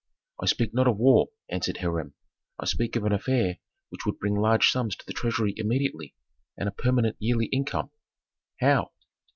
"I speak not of war," answered Hiram; "I speak of an affair which would bring large sums to the treasury immediately, and a permanent yearly income." "How?"